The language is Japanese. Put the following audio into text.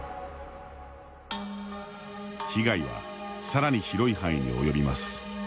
被害はさらに広い範囲に及びます。